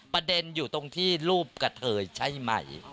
ประเด็นอยู่ตรงที่รูปกระเทยใช่ไหม